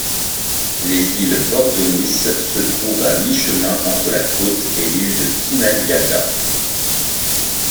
Les îles Vordonis se trouvent à mi-chemin entre la côte et l'île de Kınalıada.